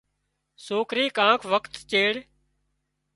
سوڪري ڪانڪ وکت چيڙ